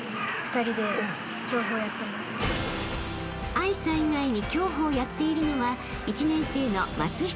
［藍さん以外に競歩をやっているのは］